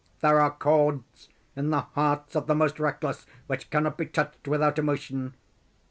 There are chords in the hearts of the most reckless which cannot be touched without emotion.